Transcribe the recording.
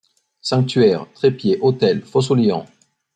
Sanctuaires ; trépieds, autels, fosse aux lions ;